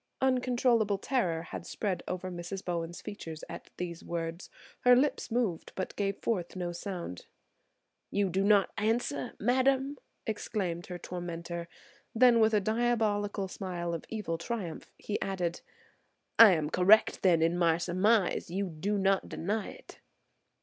Uncontrollable terror had spread over Mrs. Bowen's features at these words. Her lips moved but gave forth no sound. "You do not answer, madam!" exclaimed her tormentor. Then with a diabolical smile of evil triumph he added, "I am correct then in my surmise; you do not deny it?"